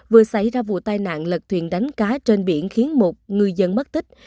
vừa xảy ra vụ tai nạn lật thuyền đánh cá trên biển khiến một ngư dân mất tích